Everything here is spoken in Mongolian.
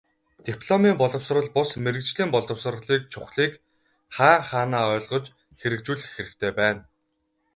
Дипломын боловсрол бус, мэргэжлийн боловсролыг чухлыг хаа хаанаа ойлгож хэрэгжүүлэх хэрэгтэй байна.